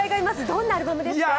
どんなアルバムですか？